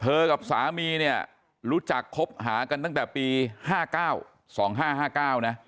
เธอกับสามีเนี้ยรู้จักคบหากันตั้งแต่ปีห้าเก้าสองห้าห้าเก้านะค่ะ